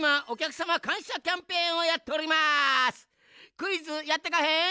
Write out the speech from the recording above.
クイズやってかへん？